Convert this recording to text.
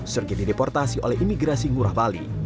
serge dideportasi oleh imigrasi ngurah bali